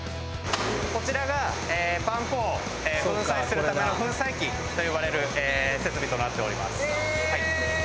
こちらがパン粉を粉砕するための粉砕機と呼ばれる設備となっております。